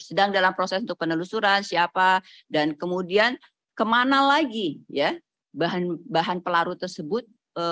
sedang dalam proses untuk penelusuran siapa dan kemudian kemana lagi bahan pelarut tersebut